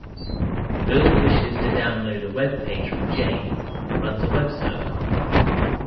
Bill wishes to download a web page from Jane, who runs a web server.